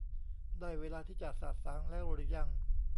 ได้เวลาที่จะสะสางแล้วหรือยัง ?